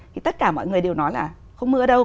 thì tất cả mọi người đều nói là không mưa ở đâu